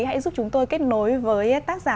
hãy giúp chúng tôi kết nối với tác giả